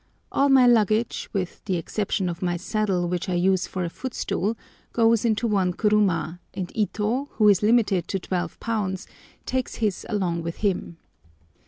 All my luggage, with the exception of my saddle, which I use for a footstool, goes into one kuruma, and Ito, who is limited to 12 lbs., takes his along with him.